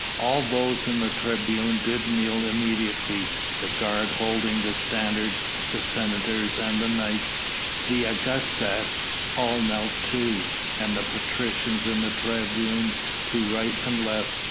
All those in the tribune did kneel immediately, the guard holding the standards, the senators and the knights. The Augustas all knelt too, and the patricians in the tribunes to right and left.